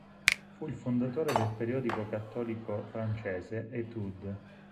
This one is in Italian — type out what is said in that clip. Fu il fondatore del periodico cattolico francese "Études".